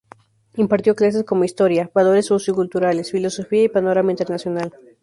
Impartió clases como historia, valores socioculturales, filosofía y panorama internacional.